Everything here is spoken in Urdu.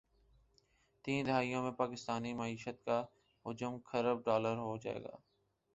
تین دہائیوں میں پاکستانی معیشت کا حجم کھرب ڈالرہوجائےگا